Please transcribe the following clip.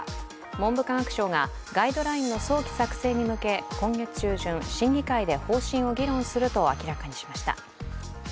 文部科学省がガイドラインの早期作成に向け今月中旬、審議会で方針を議論すると明らかにしました。